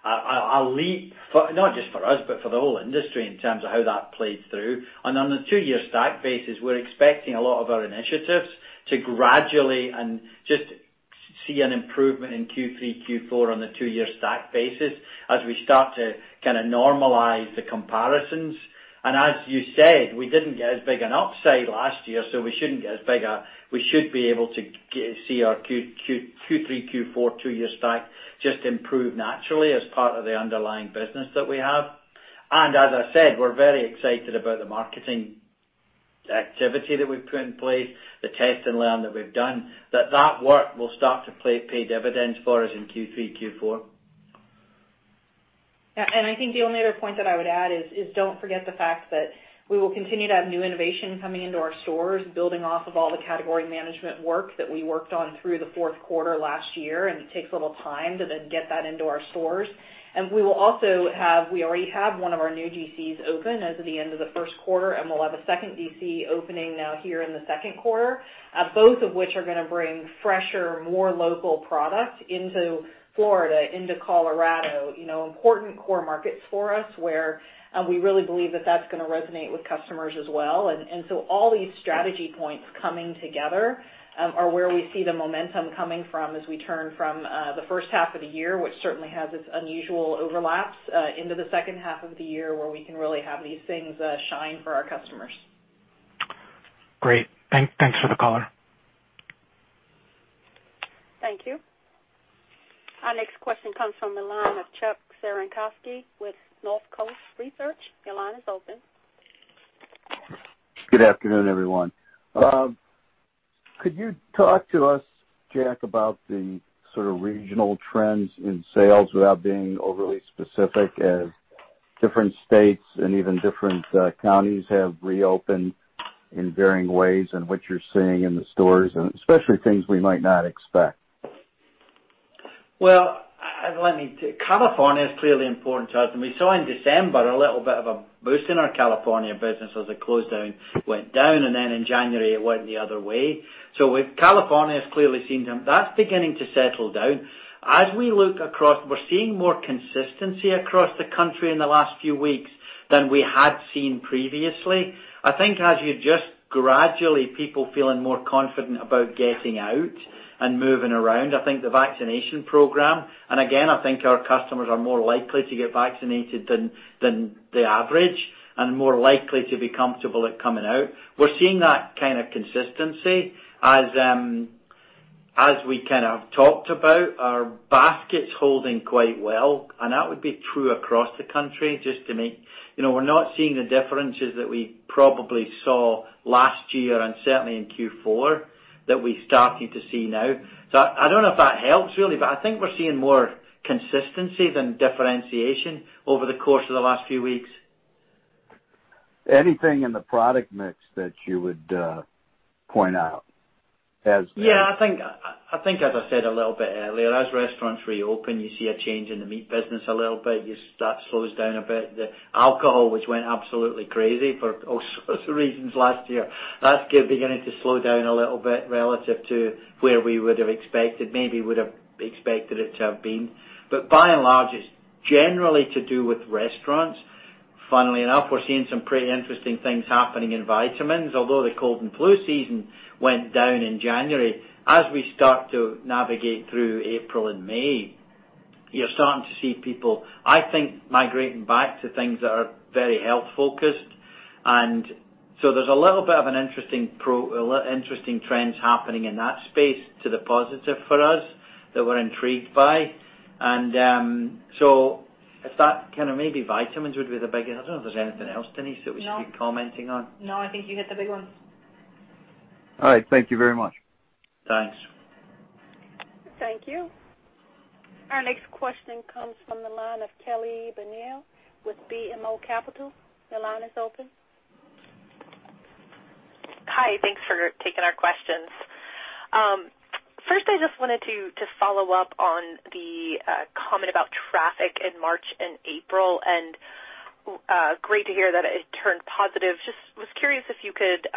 a leap, not just for us, but for the whole industry in terms of how that played through. On the two-year stack basis, we're expecting a lot of our initiatives to gradually and just see an improvement in Q3, Q4 on the two-year stack basis as we start to kind of normalize the comparisons. As you said, we didn't get as big an upside last year, so we shouldn't get as big a we should be able to see our Q3, Q4 two-year stack just improve naturally as part of the underlying business that we have. As I said, we're very excited about the marketing activity that we've put in place, the test and learn that we've done, that that work will start to pay dividends for us in Q3, Q4. I think the only other point that I would add is don't forget the fact that we will continue to have new innovation coming into our stores, building off of all the category management work that we worked on through the fourth quarter last year. It takes a little time to then get that into our stores. We already have one of our new DCs open as of the end of the first quarter. We'll have a second DC opening now here in the second quarter, both of which are going to bring fresher, more local product into Florida, into Colorado, important core markets for us where we really believe that that's going to resonate with customers as well. All these strategy points coming together are where we see the momentum coming from as we turn from the first half of the year, which certainly has its unusual overlaps into the second half of the year where we can really have these things shine for our customers. Great. Thanks for the color. Thank you. Our next question comes from the line of Chuck Cerankosky with Northcoast Research. Your line is open. Good afternoon, everyone. Could you talk to us, Jack, about the sort of regional trends in sales without being overly specific, as different states and even different counties have reopened in varying ways, and what you're seeing in the stores, and especially things we might not expect? California is clearly important to us, and we saw in December a little bit of a boost in our California business as the closedown went down, and then in January, it went the other way. California has clearly seen some. That's beginning to settle down. As we look across, we're seeing more consistency across the country in the last few weeks than we had seen previously. I think as you just gradually people feeling more confident about getting out and moving around, I think the vaccination program, and again, I think our customers are more likely to get vaccinated than the average and more likely to be comfortable at coming out. We're seeing that kind of consistency as we kind of talked about our baskets holding quite well, and that would be true across the country. We're not seeing the differences that we probably saw last year and certainly in Q4 that we're starting to see now. I don't know if that helps really, but I think we're seeing more consistency than differentiation over the course of the last few weeks. Anything in the product mix that you would point out? Yeah, I think as I said a little bit earlier, as restaurants reopen, you see a change in the meat business a little bit. That slows down a bit. The alcohol, which went absolutely crazy for all sorts of reasons last year, that's beginning to slow down a little bit relative to where we would've expected, maybe would've expected it to have been. By and large, it's generally to do with restaurants. Funnily enough, we're seeing some pretty interesting things happening in vitamins. Although the cold and flu season went down in January, as we start to navigate through April and May, you're starting to see people, I think, migrating back to things that are very health-focused. There's a little bit of an interesting trends happening in that space to the positive for us that we're intrigued by. If that kind of maybe vitamins would be the biggest. I don't know if there's anything else, Denise, that we should be commenting on. No, I think you hit the big ones. All right. Thank you very much. Thanks. Thank you. Our next question comes from the line of Kelly Bania with BMO Capital. Your line is open. Hi. Thanks for taking our questions. First I just wanted to follow up on the comment about traffic in March and April, and great to hear that it turned positive. Just was curious if you could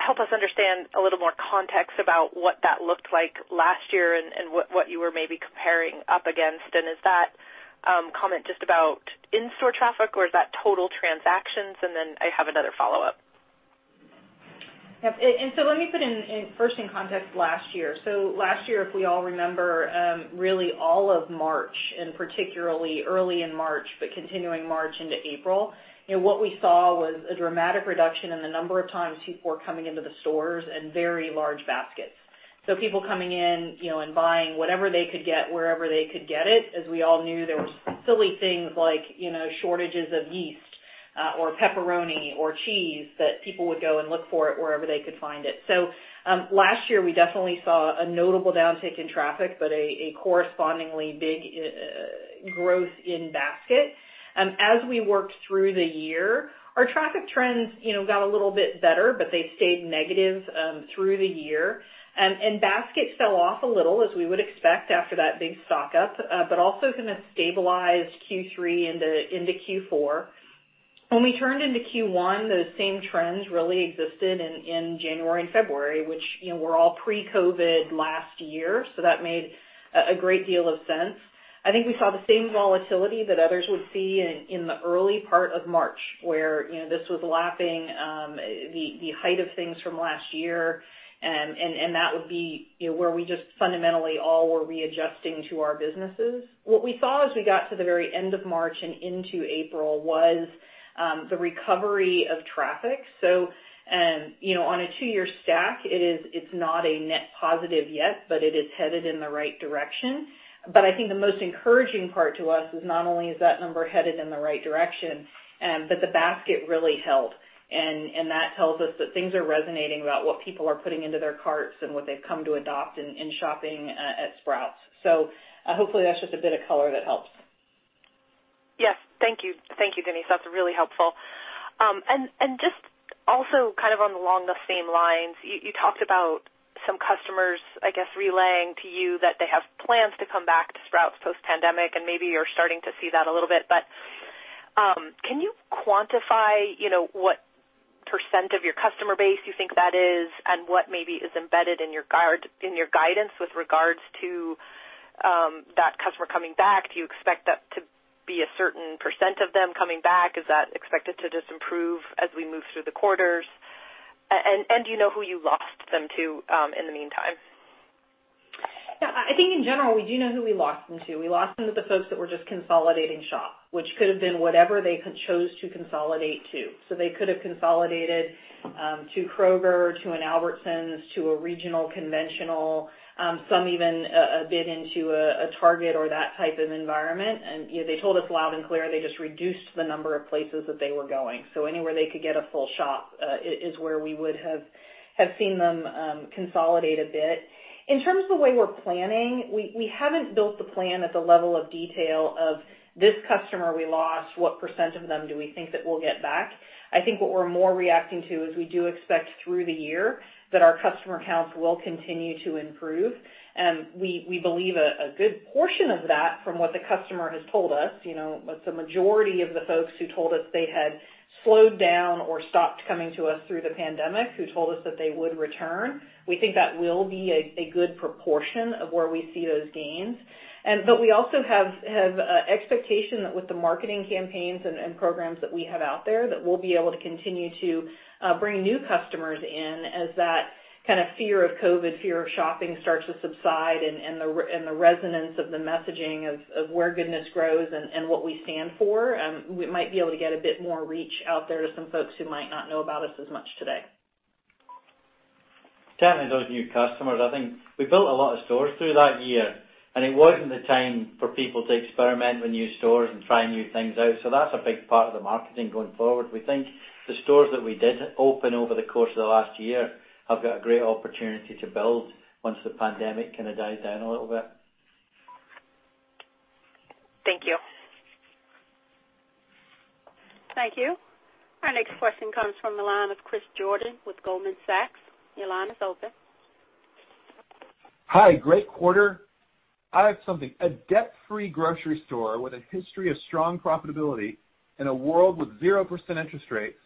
help us understand a little more context about what that looked like last year and what you were maybe comparing up against, and is that comment just about in-store traffic or is that total transactions? Then I have another follow-up. Yep. Let me put first in context last year. Last year, if we all remember, really all of March and particularly early in March, but continuing March into April, what we saw was a dramatic reduction in the number of times people were coming into the stores and very large baskets. People coming in and buying whatever they could get, wherever they could get it. As we all knew, there were silly things like shortages of yeast, or pepperoni, or cheese that people would go and look for it wherever they could find it. Last year we definitely saw a notable downtick in traffic, but a correspondingly big growth in basket. As we worked through the year, our traffic trends got a little bit better, but they stayed negative through the year. Basket fell off a little, as we would expect after that big stock-up, but also kind of stabilized Q3 into Q4. When we turned into Q1, those same trends really existed in January and February, which were all pre-COVID last year, so that made a great deal of sense. I think we saw the same volatility that others would see in the early part of March, where this was lapping the height of things from last year and that would be where we just fundamentally all were readjusting to our businesses. What we saw as we got to the very end of March and into April was the recovery of traffic. On a two-year stack, it's not a net positive yet, but it is headed in the right direction. I think the most encouraging part to us is not only is that number headed in the right direction, but the basket really held. That tells us that things are resonating about what people are putting into their carts and what they've come to adopt in shopping at Sprouts. Hopefully, that's just a bit of color that helps. Yes. Thank you. Thank you, Denise. That's really helpful. Just also kind of along the same lines, you talked about some customers, I guess, relaying to you that they have plans to come back to Sprouts post-pandemic, and maybe you're starting to see that a little bit, but can you quantify what percent of your customer base you think that is and what maybe is embedded in your guidance with regards to that customer coming back? Do you expect that to be a certain % of them coming back? Is that expected to just improve as we move through the quarters? Do you know who you lost them to in the meantime? Yeah. I think in general, we do know who we lost them to. We lost them to the folks that were just consolidating shop, which could've been whatever they chose to consolidate to. They could've consolidated to Kroger, to an Albertsons, to a regional conventional, some even a bit into a Target or that type of environment. They told us loud and clear, they just reduced the number of places that they were going. Anywhere they could get a full shop, is where we would have seen them consolidate a bit. In terms of the way we're planning, we haven't built the plan at the level of detail of this customer we lost, what percent of them do we think that we'll get back. I think what we're more reacting to is we do expect through the year that our customer counts will continue to improve. We believe a good portion of that from what the customer has told us, the majority of the folks who told us they had slowed down or stopped coming to us through the pandemic, who told us that they would return, we think that will be a good proportion of where we see those gains. We also have expectation that with the marketing campaigns and programs that we have out there, that we'll be able to continue to bring new customers in as that kind of fear of COVID, fear of shopping starts to subside and the resonance of the messaging of Where Goodness Grows and what we stand for, we might be able to get a bit more reach out there to some folks who might not know about us as much today. Certainly those new customers, I think we built a lot of stores through that year, and it wasn't the time for people to experiment with new stores and try new things out. That's a big part of the marketing going forward. We think the stores that we did open over the course of the last year have got a great opportunity to build once the pandemic kind of dies down a little bit. Thank you. Thank you. Our next question comes from the line of Chris Jordan with Goldman Sachs. Your line is open. Hi, great quarter. I have something. A debt-free grocery store with a history of strong profitability in a world with 0% interest rates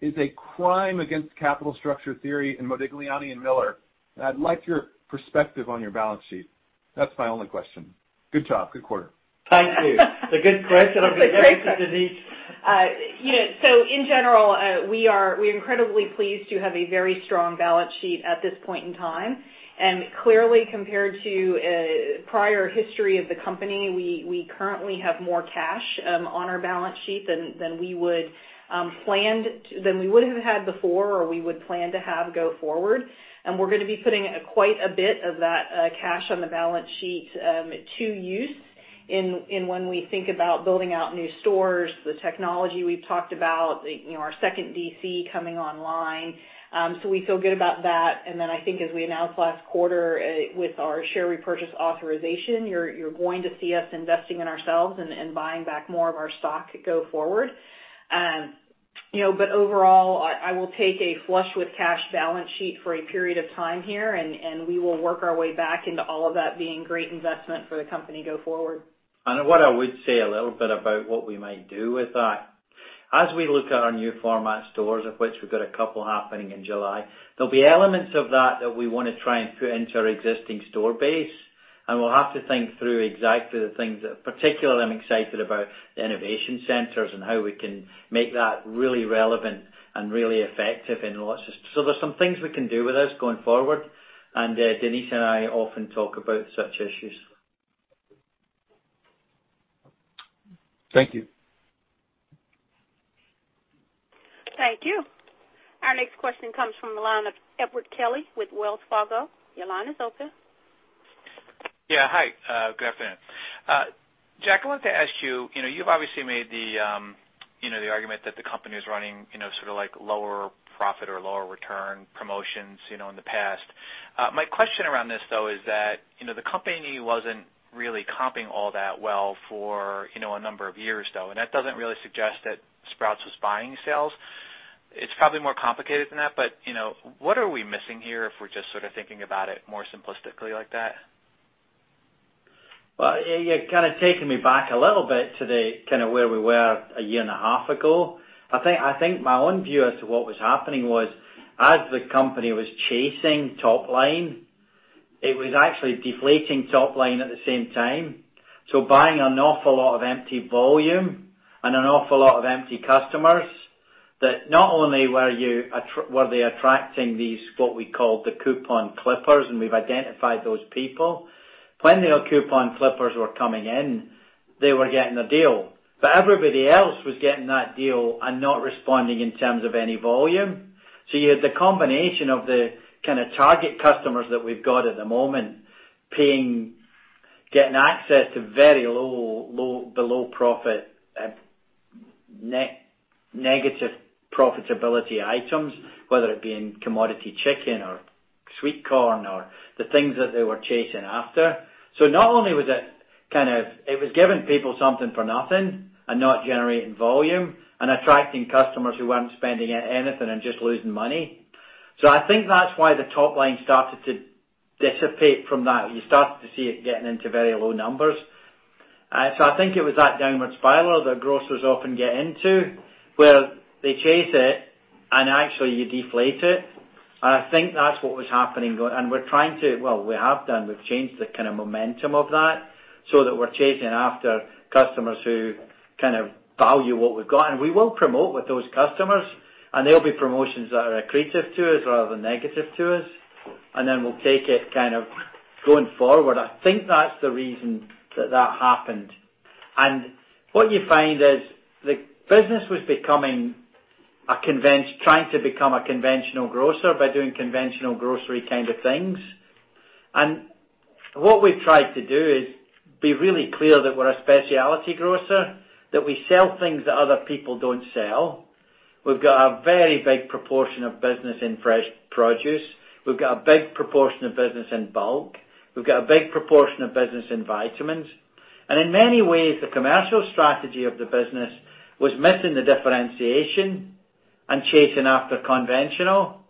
is a crime against capital structure theory in Modigliani and Miller, and I'd like your perspective on your balance sheet. That's my only question. Good job. Good quarter. Thank you. It's a good question. I'll give it to Denise. It's a great question. In general, we're incredibly pleased to have a very strong balance sheet at this point in time. Clearly, compared to a prior history of the company, we currently have more cash on our balance sheet than we would have had before or we would plan to have go forward. We're going to be putting quite a bit of that cash on the balance sheet to use when we think about building out new stores, the technology we've talked about, our second DC coming online. We feel good about that. Then I think as we announced last quarter with our share repurchase authorization, you're going to see us investing in ourselves and buying back more of our stock go forward. Overall, I will take a flush with cash balance sheet for a period of time here, and we will work our way back into all of that being great investment for the company go forward. What I would say a little bit about what we might do with that. As we look at our new format stores, of which we've got a couple happening in July, there'll be elements of that that we want to try and put into our existing store base, and we'll have to think through exactly the things that particularly I'm excited about, the innovation centers and how we can make that really relevant and really effective in lots of. There's some things we can do with this going forward, and Denise and I often talk about such issues. Thank you. Thank you. Our next question comes from the line of Edward Kelly with Wells Fargo. Your line is open. Yeah, hi. Good afternoon. Jack, I wanted to ask you've obviously made the argument that the company is running sort of lower profit or lower return promotions in the past. My question around this, though, is that the company wasn't really comping all that well for a number of years, though. That doesn't really suggest that Sprouts was buying sales. It's probably more complicated than that, but what are we missing here if we're just sort of thinking about it more simplistically like that? Well, you're kind of taking me back a little bit to where we were a year and a half ago. I think my own view as to what was happening was as the company was chasing top line, it was actually deflating top line at the same time. Buying an awful lot of empty volume and an awful lot of empty customers that not only were they attracting these, what we called the coupon clippers, and we've identified those people. When the coupon clippers were coming in, they were getting a deal. Everybody else was getting that deal and not responding in terms of any volume. You had the combination of the kind of target customers that we've got at the moment getting access to very low below profit, negative profitability items, whether it be in commodity chicken or sweet corn or the things that they were chasing after. Not only was it giving people something for nothing and not generating volume and attracting customers who weren't spending anything and just losing money. I think that's why the top line started to dissipate from that. You started to see it getting into very low numbers. I think it was that downward spiral that grocers often get into, where they chase it and actually you deflate it. I think that's what was happening. We've changed the kind of momentum of that so that we're chasing after customers who value what we've got. We will promote with those customers, and they'll be promotions that are accretive to us rather than negative to us. We'll take it kind of going forward. I think that's the reason that that happened. What you find is the business was trying to become a conventional grocer by doing conventional grocery kind of things. What we've tried to do is be really clear that we're a specialty grocer, that we sell things that other people don't sell. We've got a very big proportion of business in fresh produce. We've got a big proportion of business in bulk. We've got a big proportion of business in vitamins. In many ways, the commercial strategy of the business was missing the differentiation and chasing after conventional.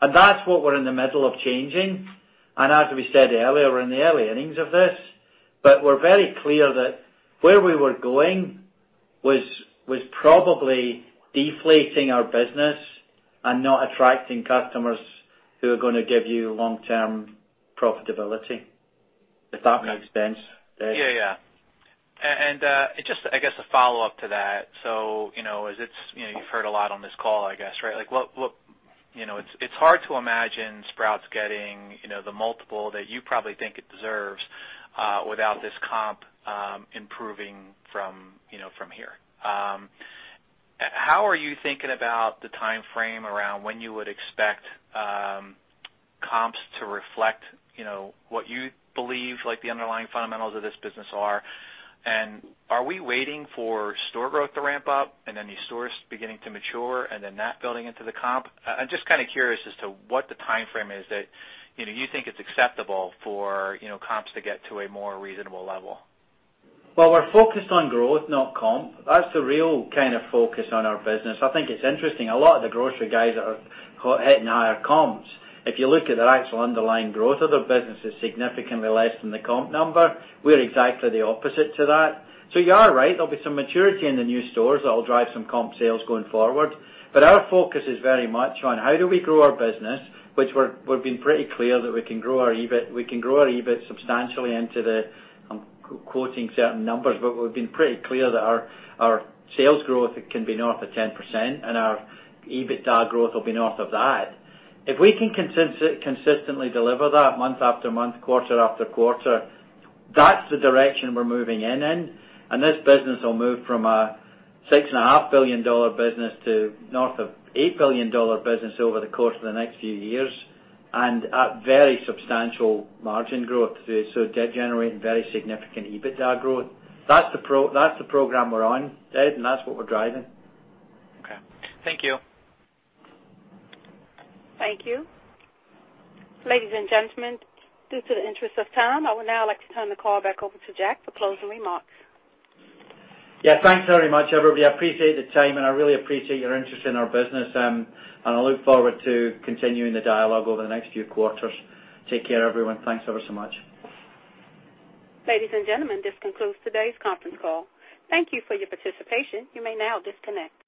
That's what we're in the middle of changing. As we said earlier, we're in the early innings of this, but we're very clear that where we were going was probably deflating our business and not attracting customers who are going to give you long-term profitability, if that makes sense. Yeah. Just, I guess, a follow-up to that. You've heard a lot on this call, I guess, right? It's hard to imagine Sprouts getting the multiple that you probably think it deserves without this comp improving from here. How are you thinking about the timeframe around when you would expect comps to reflect what you believe the underlying fundamentals of this business are? Are we waiting for store growth to ramp up and then these stores beginning to mature and then that building into the comp? I'm just kind of curious as to what the timeframe is that you think it's acceptable for comps to get to a more reasonable level. We're focused on growth, not comp. That's the real kind of focus on our business. I think it's interesting. A lot of the grocery guys are hitting higher comps. If you look at the actual underlying growth of their business is significantly less than the comp number. We're exactly the opposite to that. You are right. There'll be some maturity in the new stores that'll drive some comp sales going forward. Our focus is very much on how do we grow our business, which we've been pretty clear that we can grow our EBIT substantially. I'm quoting certain numbers, but we've been pretty clear that our sales growth can be north of 10%, and our EBITDA growth will be north of that. If we can consistently deliver that month-after-month, quarter-after-quarter, that's the direction we're moving in. This business will move from a $6.5 billion business to north of $8 billion business over the course of the next few years, and at very substantial margin growth. Generating very significant EBITDA growth. That's the program we're on, Ed, and that's what we're driving. Okay. Thank you. Thank you. Ladies and gentlemen, due to the interest of time, I would now like to turn the call back over to Jack for closing remarks. Yeah. Thanks very much, everybody. I appreciate the time, and I really appreciate your interest in our business. I look forward to continuing the dialogue over the next few quarters. Take care, everyone. Thanks ever so much. Ladies and gentlemen, this concludes today's conference call. Thank you for your participation. You may now disconnect.